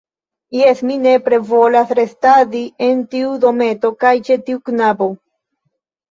Jes, mi nepre volas restadi en tiu dometo kaj ĉe tiu knabo.